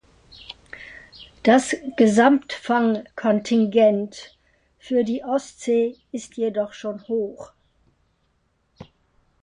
Das Gesamtfangkontingent für die Ostsee ist jedoch schon hoch.